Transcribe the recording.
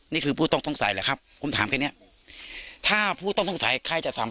ผู้ต้องสงสัยแหละครับผมถามแค่เนี้ยถ้าผู้ต้องสงสัยใครจะทำ